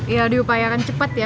ya diupayakan cepat ya